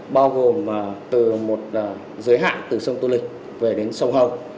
bao gồm từ một giới hạn từ sông tô lịch về đến sông hồng